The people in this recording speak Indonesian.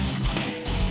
terima kasih chandra